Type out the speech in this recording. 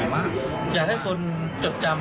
ฟังเสียงคุณแฮกและคุณจิ้มค่ะ